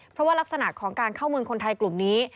เพราะว่ารักษณะของการเข้าเมืองคนไทยกลุ่มนี้